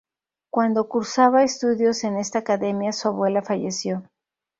Cuando cursaba estudios en esta academia, su abuela falleció.